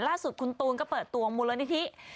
ล่าสุดคุณตูนก็เปิดตัวมูลนิธิ